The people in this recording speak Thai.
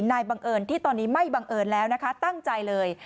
บังเอิญที่ตอนนี้ไม่บังเอิญแล้วนะคะตั้งใจเลย